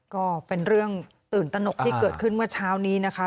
ก็เป็นเรื่องตื่นตนกที่เกิดขึ้นเมื่อเช้านี้นะคะ